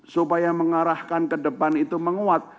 supaya mengarahkan ke depan itu menguat